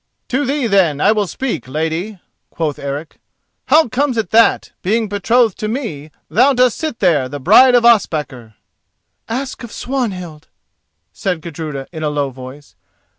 "To thee, then, I will speak, lady," quoth Eric. "How comes it that, being betrothed to me, thou dost sit there the bride of Ospakar?" "Ask of Swanhild," said Gudruda in a low voice.